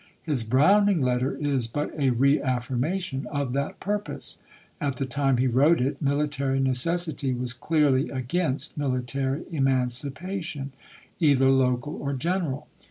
His Browning letter is but a reaffirmation of that purpose. At the time he wrote it military necessity was clearly against military emancipation, either local or general.